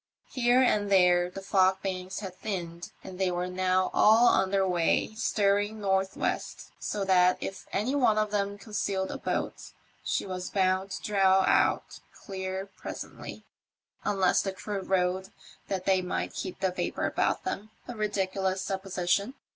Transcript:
Here and there the fog banks had thinned, and they were now all under way, steering north west, so that if any one of them concealed a boat she was bound to draw out clear presently, unless the crew rowed that they might keep the vapour about them — a ridiculous supposition.